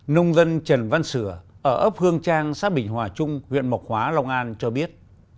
nông dân trần văn sửa ở ấp hương trang xã bình hòa trung huyện mộc hóa long an cho biết